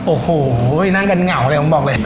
โอ้โหนั่งกันเหงาเลยผมบอกเลย